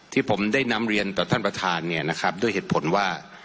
ที่ผมได้นำเรียนต่อท่านประธานเนี่ยนะครับด้วยเหตุผลว่า